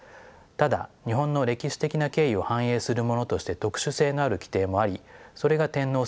ただ日本の歴史的な経緯を反映するものとして特殊性のある規定もありそれが天皇制と九条です。